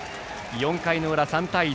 ４回の裏、３対１。